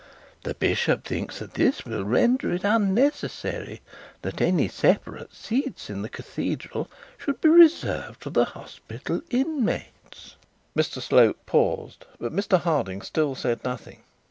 The bishop thinks that this will render it unnecessary that any separate seats in the cathedral should be reserved for the hospital inmates.' Mr Slope paused, but Mr Harding still said nothing.